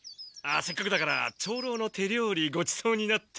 せっかくだから長老の手料理ごちそうになって。